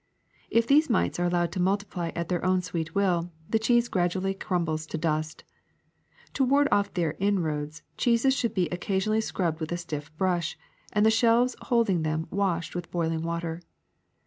If these mites are allowed to multiply at their own sweet will, the cheese gradually crumbles to dust. To ward off their inroads cheeses should be occa sionally scrubbed with a stiff brush and the shelves holding them washed with boiling water.